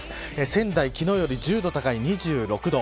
仙台昨日より１０度高い２６度。